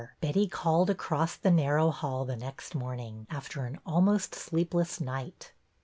Betty called I j across the narrow hall the next morning, after an almost sleepless night.